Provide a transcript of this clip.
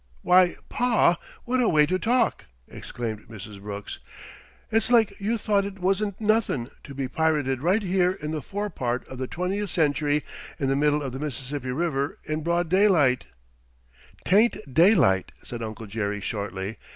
"Why, Pa, what a way to talk!" exclaimed Mrs. Brooks. "It's like you thought it wa'n't nothin', to be pirated right here in the forepart of the twentieth century in the middle of the Mississippi River in broad daylight " "'Tain't daylight," said Uncle Jerry shortly.